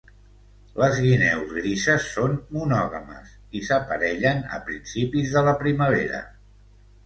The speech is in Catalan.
Les guineus grises són monògames i s'aparellen a principis de la primavera.